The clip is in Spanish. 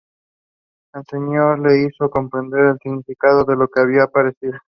El Señor le hizo comprender el significado de lo que se le había aparecido.